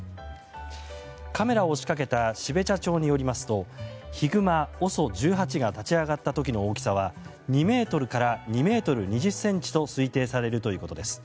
カメラを仕掛けた標茶町によりますとヒグマＯＳＯ１８が立ち上がった時の大きさは２ｍから２ｍ２０ｃｍと推定されるということです。